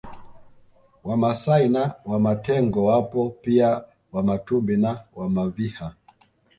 Wamasai na Wamatengo wapo pia Wamatumbi na Wamaviha